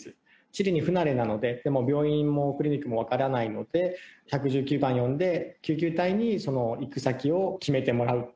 地理に不慣れなので、でも病院もクリニックも分からないので、１１９番呼んで、救急隊員にその行き先を決めてもらう。